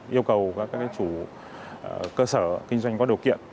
yêu cầu các chủ cơ sở kinh doanh có điều kiện